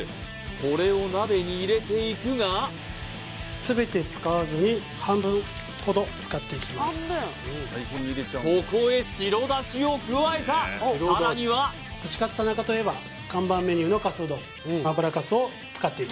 これを鍋に入れていくがそこへ白出汁を加えたさらには串カツ田中といえば看板メニューのかすうどん